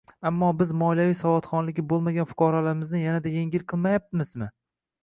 Ammo biz moliyaviy savodxonligi bo'lmagan fuqarolarimizni yanada yengil qilmayapmizmi?